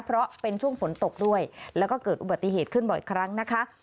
เพราะเป็นช่วงฝนตกด้วยแล้วก็เกิดอุบัติเหตุขึ้นบ่อยครั้งนะคะ